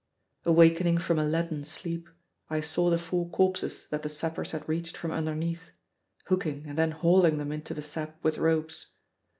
Awaking from a leaden sleep, I saw the four corpses that the sappers had reached from underneath, hooking and then hauling them into the sap with ropes.